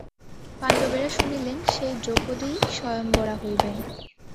পাণ্ডবেরা শুনিলেন, সেই দ্রৌপদীই স্বয়ম্বরা হইবেন।